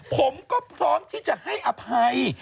ผมก็พร้อมที่จะให้อภัย